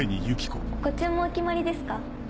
ご注文お決まりですか？